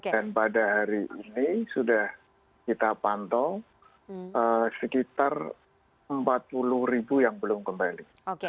dan pada hari ini sudah kita pantau sekitar rp empat puluh yang belum kembali